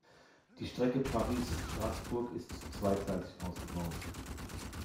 Die Strecke Paris–Straßburg ist zweigleisig ausgebaut.